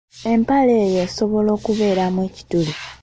Empale eyo esobola okubeeramu ekituli.